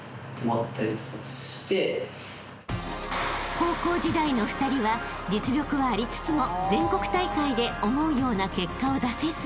［高校時代の２人は実力はありつつも全国大会で思うような結果を出せず］